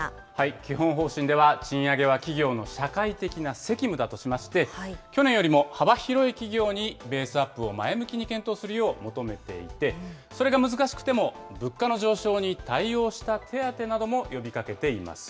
基本方針では、賃上げは企業の社会的な責務だとしまして、去年よりも幅広い企業にベースアップを前向きに検討するよう求めていて、それが難しくても、物価の上昇に対応した手当なども呼びかけています。